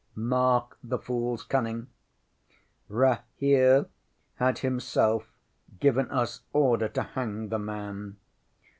ŌĆØ ŌĆśMark the foolŌĆÖs cunning! Rahere had himself given us order to hang the man.